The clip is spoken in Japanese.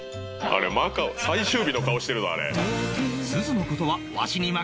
マカオ最終日の顔してるぞあれ。